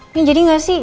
ini jadi gak sih